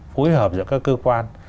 phối hợp giữa các cơ quan